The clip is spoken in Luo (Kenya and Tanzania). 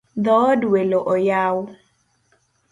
Dhood welo oyaw